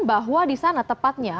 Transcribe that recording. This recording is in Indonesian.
bahwa di sana tepatnya